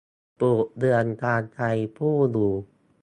ปลูกเรือนตามใจผู้อยู่